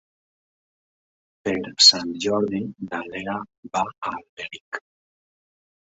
Per Sant Jordi na Lea va a Alberic.